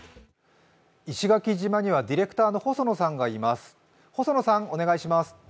石垣島にはディレクターの細野さんがいます。